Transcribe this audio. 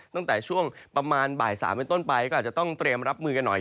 ตั้งแต่ช่วงประมาณบ่าย๓เป็นต้นไปก็อาจจะต้องเตรียมรับมือกันหน่อย